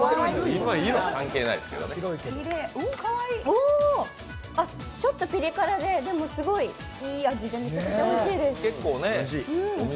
おー、ちょっとピリ辛ででもいい味でめちゃくちゃおいしいです。